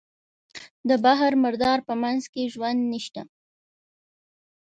د بحر مردار په منځ کې ژوند نشته.